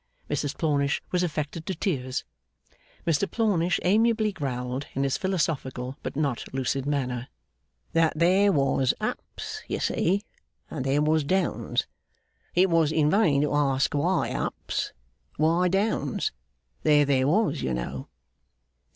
Mrs Plornish was affected to tears. Mr Plornish amiably growled, in his philosophical but not lucid manner, that there was ups you see, and there was downs. It was in vain to ask why ups, why downs; there they was, you know.